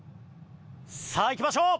さあいきましょう！